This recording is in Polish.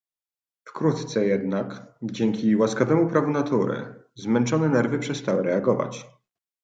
"Wkrótce jednak, dzięki łaskawemu prawu Natury, zmęczone nerwy przestały reagować."